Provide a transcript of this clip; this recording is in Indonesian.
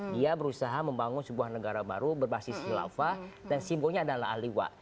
dia berusaha membangun sebuah negara baru berbasis khilafah dan simbolnya adalah ahli wa